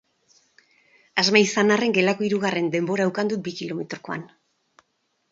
Asma izan arren, gelako hirugarren denbora ukan dut bi kilometrokoan.